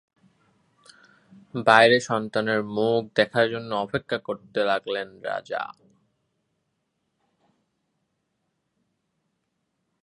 বাইরে সন্তানের মুখ দেখার জন্য অপেক্ষা করতে লাগলেন রাজা।